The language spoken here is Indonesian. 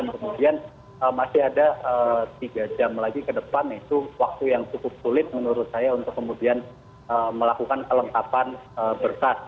kemudian masih ada tiga jam lagi ke depan yaitu waktu yang cukup sulit menurut saya untuk kemudian melakukan kelengkapan berkas